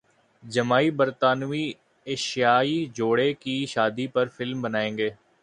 Jemima برطانوی ایشیائی جوڑے کی شادی پر فلم بنائیں گی